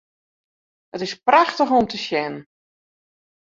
It is prachtich om te sjen.